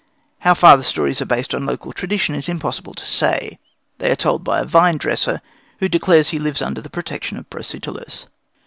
How far the stories are based on local tradition it is impossible to say; they are told by a vine dresser, who declares that he lives under the protection of Protesilaus.